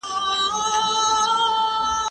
زه هره ورځ سبزېجات وخورم!!